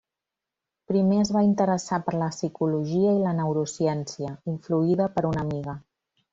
Primer es va interessar per la psicologia i la neurociència, influïda per una amiga.